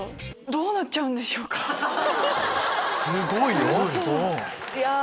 すごいよ。